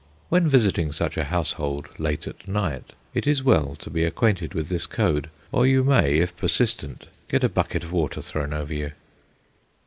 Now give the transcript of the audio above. When visiting such a household late at night it is well to be acquainted with this code, or you may, if persistent, get a bucket of water thrown over you.